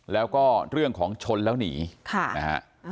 แล้วก็เรื่องของชนแล้วหนีค่ะนะฮะ